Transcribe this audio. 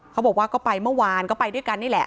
เขาบอกว่าก็ไปเมื่อวานก็ไปด้วยกันนี่แหละ